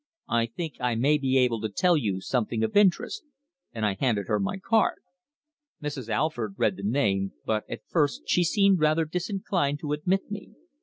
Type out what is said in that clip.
I think I may be able to tell you something of interest," and I handed her my card. Mrs. Alford read the name, but at first she seemed rather disinclined to admit me.